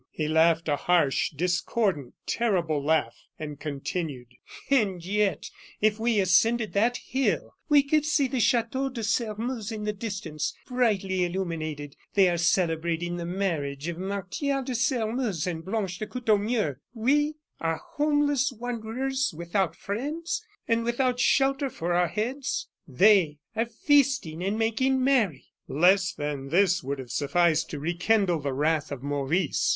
He laughed a harsh, discordant, terrible laugh, and continued: "And yet, if we ascended that hill, we could see the Chateau de Sairmeuse in the distance, brightly illuminated. They are celebrating the marriage of Martial de Sairmeuse and Blanche de Courtornieu. We are homeless wanderers without friends, and without a shelter for our heads: they are feasting and making merry." Less than this would have sufficed to rekindle the wrath of Maurice.